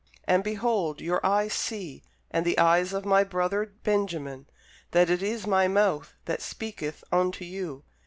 And, behold, your eyes see, and the eyes of my brother Benjamin, that it is my mouth that speaketh unto you.